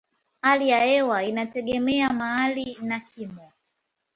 Hali ya hewa inategemea mahali na kimo.